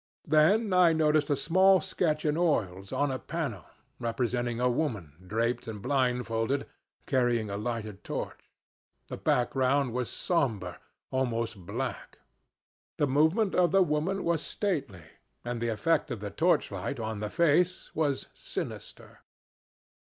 Then I noticed a small sketch in oils, on a panel, representing a woman, draped and blindfolded, carrying a lighted torch. The background was somber almost black. The movement of the woman was stately, and the effect of the torchlight on the face was sinister.